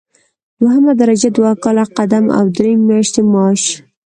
دوهمه درجه دوه کاله قدم او درې میاشتې معاش.